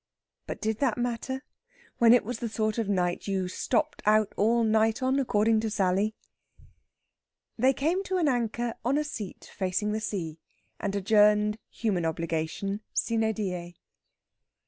But did that matter, when it was the sort of night you stopped out all night on, according to Sally. They came to an anchor on a seat facing the sea, and adjourned human obligation sine die.